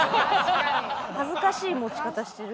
恥ずかしい持ち方してる？